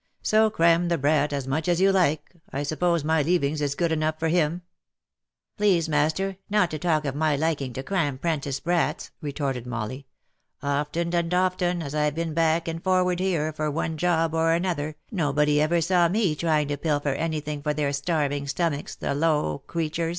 So cram the brat as much as you like — I suppose my leavings is good enough for him V* " Please master not to talk of my liking to cram 'prentice brats," re torted Molly. " Often and often, as I've been back and forward here, for one job or another, nobody ever saw me trying to pilfer any thing for their starving stomachs, the low creturs